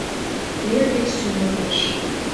Ферме сӱмырлыш.